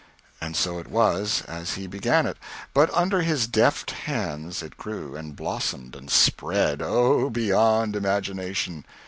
And so it was as he began it. But under his deft hands it grew, and blossomed, and spread oh, beyond imagination.